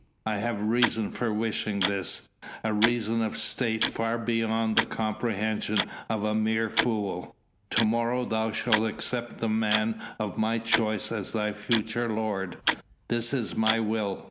I have a reason for wishing this a reason of State far beyond the comprehension of a mere fool. To morrow thou shalt accept the man of my choice as thy future lord. That is my will.